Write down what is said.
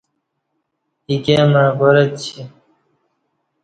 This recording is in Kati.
ایکئے مع کار اچی۔